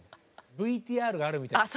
ＶＴＲがあるみたいです。